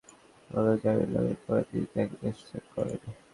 স্বাস্থ্যগত কারণ দেখিয়ে বিভিন্ন মামলায় জামিন লাভের পরে তিনি দেশত্যাগ করেন।